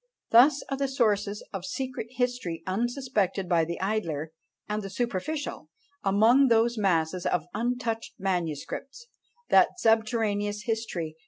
Thus are the sources of secret history unsuspected by the idler and the superficial, among those masses of untouched manuscripts that subterraneous history!